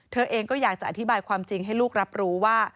เธอเองก็อยากจะอธิบายความจริงให้ลูกรับรู้ว่า